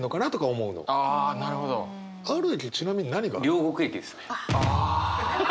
両国駅ですね。